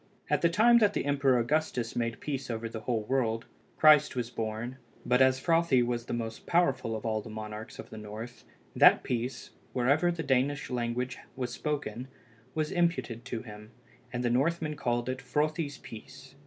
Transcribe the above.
At the time that the Emperor Augustus made peace over the whole world, Christ was born, but as Frothi was the most powerful of all the monarchs of the north, that peace, wherever the Danish language was spoken, was imputed to him, and the Northmen called it Frothi's peace.